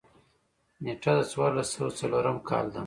نېټه د څوارلس سوه څلورم کال ده.